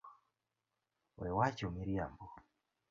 We wacho miriambo.